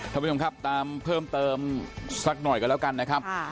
ท่านผู้ชมครับตามเพิ่มเติมสักหน่อยกันแล้วกันนะครับ